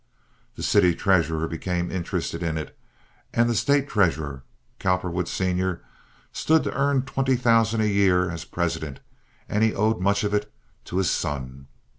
The city treasurer became interested in it, and the State treasurer. Cowperwood, Sr., stood to earn twenty thousand a year as president, and he owed much of it to his son.